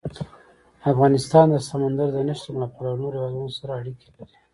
افغانستان د سمندر نه شتون له پلوه له نورو هېوادونو سره اړیکې لري.